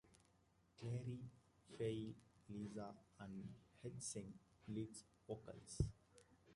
Claire, Faye, Lisa and H sing lead vocals.